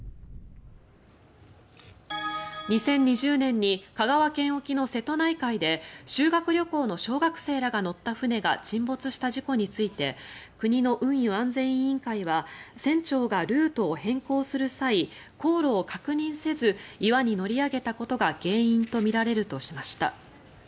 ２０２０年に香川県沖の瀬戸内海で修学旅行の小学生らが乗った船が沈没した事故について国の運輸安全委員会は船長がルートを変更する際航路を確認せず岩に乗り上げたことが原因とみられるとしました。